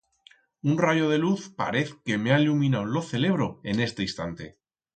Un rayo de luz parez que m'ha iluminau lo celebro en este instante.